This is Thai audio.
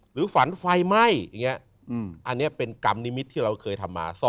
หรือฝันไฟไหม้อันนี้เป็นกรรมนิมิตรที่เราเคยทำมา